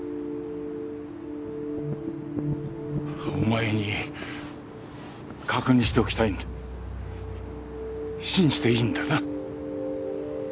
お前に確認しておきたい信じていいんだな？